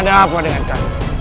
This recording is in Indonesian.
ada apa dengan kami